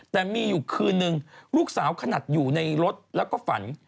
แต่มีอยู่คืนนึงลูกสาวขนาดอยู่ในรถแล้วก็ฝัน